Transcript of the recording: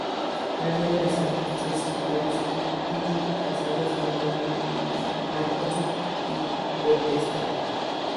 María de las Angustias y Arizcún-Tilly, casada con Luis Martos y Potestad.